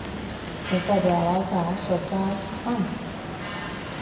Tev pēdējā laikā esot gājis smagi.